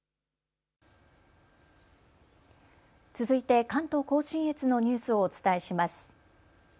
続いて関東甲信越のニュースをお伝えします。